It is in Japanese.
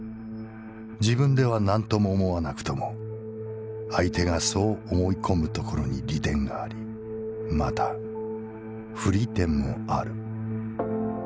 自分では何とも思はなくとも相手がそう思い込む所に利点があり又不利点もある」。